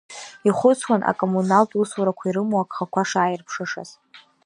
Ихәыцуан акоммуналтә усурақәа ирымоу агхақәа шааирԥшышаз.